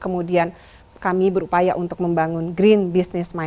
kemudian kami berupaya untuk membangun green business mike